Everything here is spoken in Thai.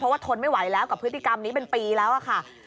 เพราะว่าทนไม่ไหวเรากับพฤติกรรมนี้เป็นปีแล้วก่อน